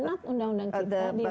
not undang undang cipta